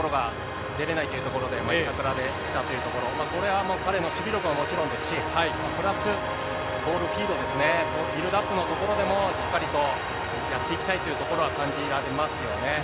そうですね、冨安のところがでれないというところで、板倉できたというところ、これはもう、彼の守備力はもちろんですし、プラス、ボールフィードですね、ビルドアップのところでも、しっかりとやっていきたいというところは感じられますよね。